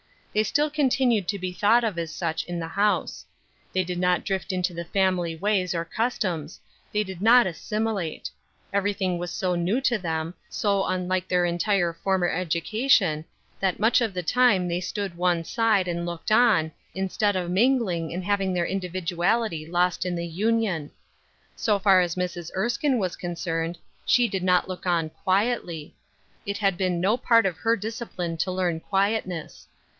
They still continued to be thought of as such in the house. They did not drift into the family ways or customs — they did not assimilate. Everything was so new to them, so unlike their 167 168 Ruth Erskine^s Crosses, entire former education, that much of the time they stood one side and looked on, instead of mingling and having their individuality lost in the union. So far as Mrs. Erskine was con cerned, she did not look on quietly. It had been no part of her discipline to learn quietness.